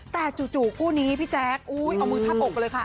แต่จู่คู่นี้พี่แจ๊คเอามือทาบอกไปเลยค่ะ